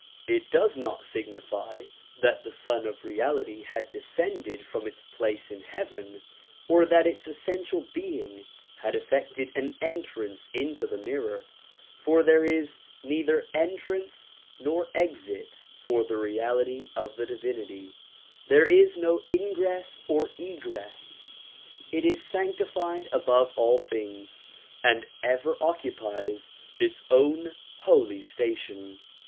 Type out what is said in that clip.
It does not signify that the Sun of Reality had descended from its place in heaven or that its essential being had effected an entrance into the mirror, for there is neither entrance nor exit DISCOURSES DELIVERED IN PHILADELPHIA 169 for the reality of divinity; there is no ingress or egress; it is sanctified above all things and ever occupies its own holy station.